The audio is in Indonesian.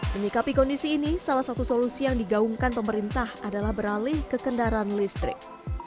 menyikapi kondisi ini salah satu solusi yang digaungkan pemerintah adalah beralih ke kendaraan listrik